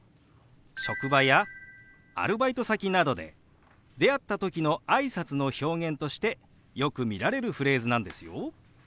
職場やアルバイト先などで出会った時のあいさつの表現としてよく見られるフレーズなんですよ。